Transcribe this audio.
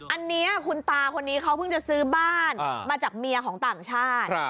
อันนี้คุณตาคนนี้เขาเพิ่งจะซื้อบ้านมาจากเมียของต่างชาติ